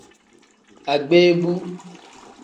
Agbeebu.